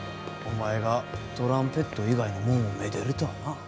お前がトランペット以外のもんをめでるとはな。